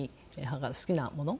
母が好きなもの。